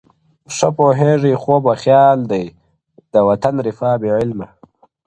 ښه پوهېږې خوب و خیال دی؛ د وطن رِفا بې علمه-